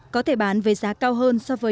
có thể bán với giá cao hơn so với